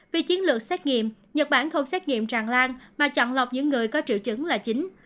vì chiến lược xét nghiệm nhật bản không xét nghiệm tràn lan mà chọn lọc những người có triệu chứng là chính